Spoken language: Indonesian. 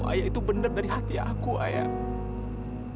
ayah itu benar dari hati aku ayah